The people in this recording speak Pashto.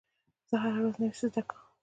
زه هره ورځ نوی څه زده کوم.